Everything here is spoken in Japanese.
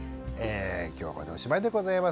今日はこれでおしまいでございます。